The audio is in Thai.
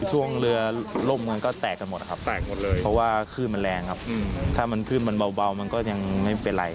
ช่วงเรือล่มมันก็แตกกันหมดนะครับแตกหมดเลยเพราะว่าคลื่นมันแรงครับถ้ามันขึ้นมันเบามันก็ยังไม่เป็นไร